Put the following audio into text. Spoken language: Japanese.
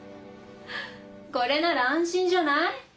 これなら安心じゃない？